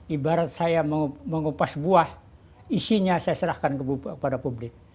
ibarat saya mau mengupas buah isinya saya serahkan kepada publik